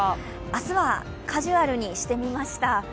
明日はカジュアルにしてみました。